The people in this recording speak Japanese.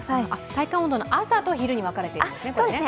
体感温度、朝に昼と分かれているんですね。